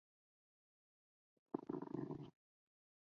普里姆是位于美国阿肯色州克利本县的一个非建制地区。